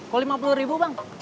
kalau lima puluh ribu bang